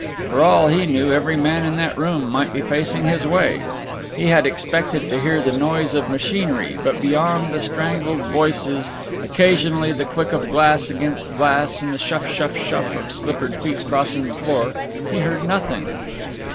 For all he knew every man in that room might be facing his way. He had expected to hear the noise of machinery, but beyond the strangled voices, occasionally the click of glass against glass and the shuff shuff shuff of slippered feet crossing the floor, he heard nothing.